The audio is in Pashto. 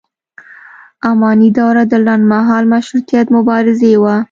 اماني دوره د لنډ مهاله مشروطیت مبارزې وه.